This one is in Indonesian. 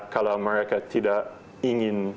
kalau mereka tidak ingin